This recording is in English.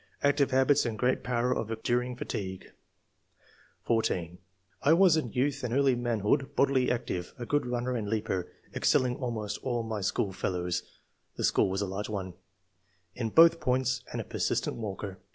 Active habits and great power of en during fatigue." 14. "I was in youth and early manhood bodily active, a good runner and leaper, excelling almost all my schoolfellows [the school was a large one] in both points, and a persistent walker.